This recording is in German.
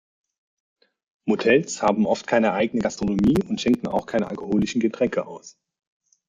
Motels haben oft keine eigene Gastronomie und schenken auch keine alkoholischen Getränke aus.